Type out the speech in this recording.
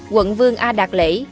quận vương a đạt lễ